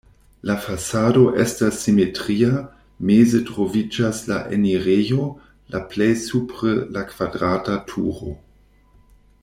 La fasado estas simetria, meze troviĝas la enirejo, la plej supre la kvadrata turo.